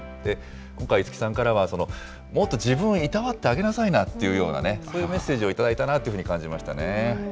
今回、五木さんからは、もっと自分をいたわってあげなさいなっていうようなね、そういうメッセージを頂いたなというふうに感じましたね。